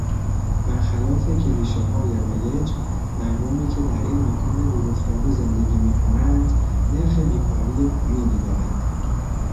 برخلاف کلیشه های رایج، مردمی که در این مکان دورافتاده زندگی می کنند، نرخ بیکاری پایینی دارند.